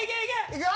いくよ！